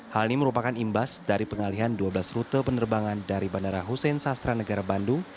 hal ini merupakan imbas dari pengalihan dua belas rute penerbangan dari bandara hussein sastra negara bandung